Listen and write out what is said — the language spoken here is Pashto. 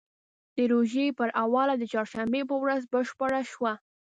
د روژې پر اوله د چهارشنبې په ورځ بشپړه شوه.